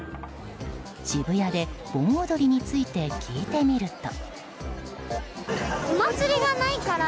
渋谷で盆踊りについて聞いてみると。